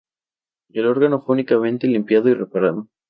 El órgano fue únicamente limpiado y reparado.